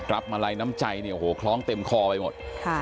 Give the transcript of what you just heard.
มาลัยน้ำใจเนี่ยโอ้โหคล้องเต็มคอไปหมด